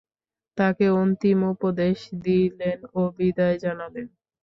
তাকে অন্তিম উপদেশ দিলেন ও বিদায় জানালেন।